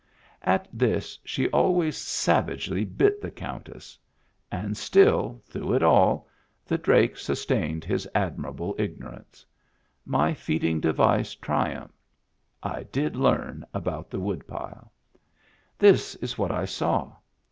At this she always savagely bit the Countess; and still, through it all, the drake sustained his admirable ignorance. My feeding device triumphed. I did learn about the woodpile. This is what I saw.